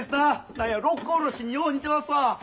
何や六甲おろしによう似てますわ！